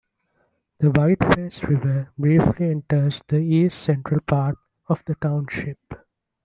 The Whiteface River briefly enters the east-central part of the township.